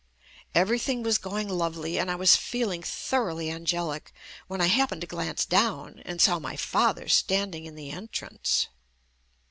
Everything was going lovely and I was feeling thoroughly angelic when I hap pened to glance down and saw my father standing in the entrance.